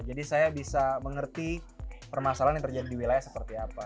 jadi saya bisa mengerti permasalahan yang terjadi di wilayah seperti apa